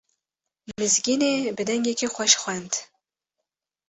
Mizgînê bi dengekî xweş xwend.